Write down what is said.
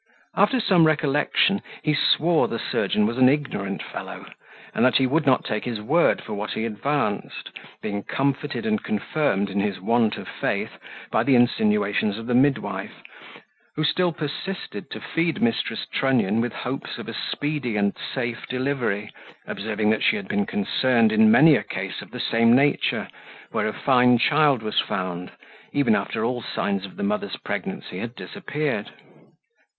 After some recollection, he swore the surgeon was an ignorant fellow, and that he would not take his word for what he advanced, being comforted and confirmed in his want of faith by the insinuations of the midwife, who still persisted to feed Mrs. Trunnion with hopes of a speedy and safe delivery; observing that she had been concerned in many a case of the same nature, where a fine child was found, even after all signs of the mother's pregnancy had disappeared.